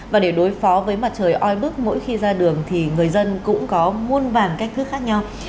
và để đối phó với mặt trời oi bức mỗi khi ra đường thì người dân cũng có muôn vàn cách thức khác nhau